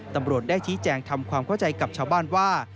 ตำรวจได้ชี้แจงทำความเข้าใจกับชาวบ้านว่า